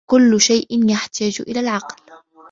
كُلُّ شَيْءٍ يَحْتَاجُ إلَى الْعَقْلِ